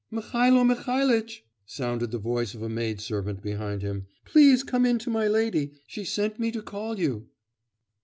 'Mihailo Mihailitch!' sounded the voice of a maid servant behind him, 'please come in to my lady. She sent me to call you.